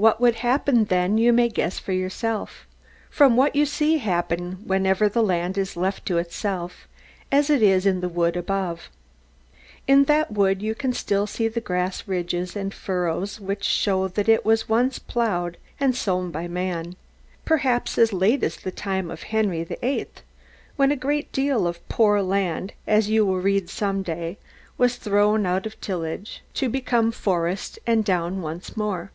What would happen then, you may guess for yourself, from what you see happen whenever the land is left to itself, as it is in the wood above. In that wood you can still see the grass ridges and furrows which show that it was once ploughed and sown by man; perhaps as late as the time of Henry the Eighth, when a great deal of poor land, as you will read some day, was thrown out of tillage, to become forest and down once more.